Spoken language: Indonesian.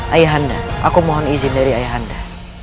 ayahanda aku mohon izin dari ayahanda